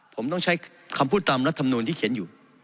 ผมต้องใช้คำพูดตามรัฐมนูลที่เขียนอยู่